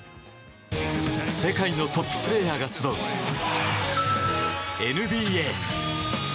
世界のトッププレーヤーが集うＮＢＡ。